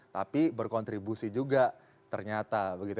tapi berkontribusi juga ternyata begitu